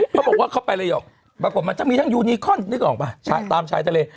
เขาบอกว่าเขาไประยองปรากฏมันจะมีทั้งยูนิคอนนึกออกป่ะตามชายทะเล